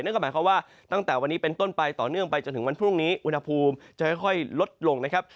ก็หมายความว่าตั้งแต่วันนี้เป็นต้นไปต่อเนื่องไปจนถึงวันพรุ่งนี้อุณหภูมิจะค่อยลดลงนะครับ